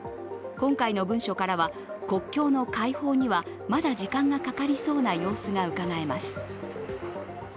今回の文書からは、国境の開放にはまだ時間がかかりそうな様子がうかがえます。